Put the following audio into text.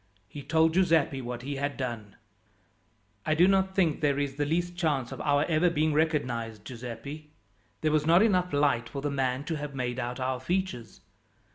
He told Giuseppi what he had done. "I do not think there is the least chance of our ever being recognized, Giuseppi. There was not enough light for the man to have made out our features.